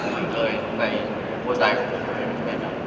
อยู่เคยไว้ในหัวใจของกัน